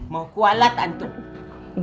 mau kualat antum